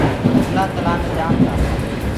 بُگلآ تلآ مي جآم تآ۔